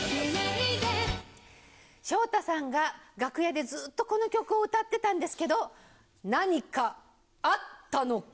昇太さんが楽屋でずっとこの曲を歌ってたんですけど、何かあったのか。